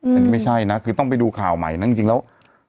อันนี้ไม่ใช่นะคือต้องไปดูข่าวใหม่นะจริงแล้ว